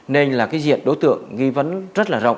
nên là cái diện đối tượng nghi vấn rất là rộng